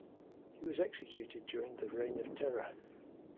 He was executed during the Reign of Terror.